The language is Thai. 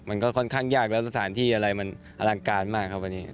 มันก็ค่อนข้างยากแล้วสถานที่อะไรมันอลังการมากครับวันนี้